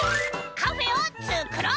「カフェをつくろう！」